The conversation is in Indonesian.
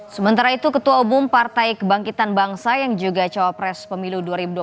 sementara itu ketua umum partai kebangkitan bangsa yang juga cawapres pemilu dua ribu dua puluh